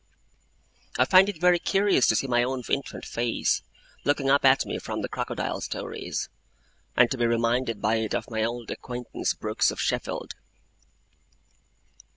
I find it very curious to see my own infant face, looking up at me from the Crocodile stories; and to be reminded by it of my old acquaintance Brooks of Sheffield.